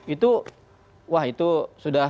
itu wah itu sudah